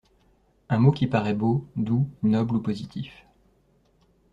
Un mot qui parait beau, doux, noble ou positif.